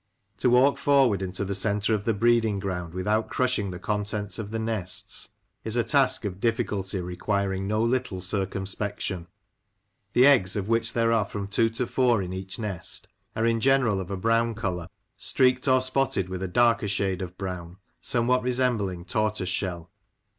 To walk The Gull Moss, 47 forward into the centre of the breeding ground without crushing the contents of the nests, is a task of difficulty requiring no little circumspection. The eggs, of which there are from two to four in each nest, are in general of a brown colour, streaked or spotted with a darker shade of brown, somewhat resembling tortoise shell.